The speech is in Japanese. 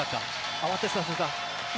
慌てさせた。